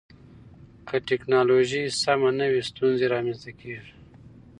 که ټکنالوژي سمه نه وي، ستونزې رامنځته کېږي.